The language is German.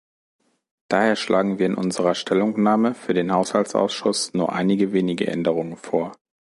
Daher schlagen wir in unserer Stellungnahme für den Haushaltsausschuss nur einige wenige Änderungen vor.